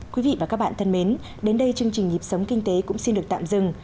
quý vị và các bạn thân mến đến đây chương trình nhịp sống kinh tế cũng xin được tạm dừng